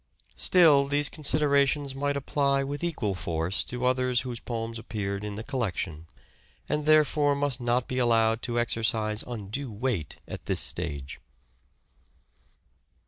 Still these considerations might apply with equal force to others whose poems appeared in the collection, and therefore must not be allowed to exercise undue weight at this stage.